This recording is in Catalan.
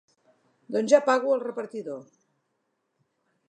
Doncs ja pago al repartidor.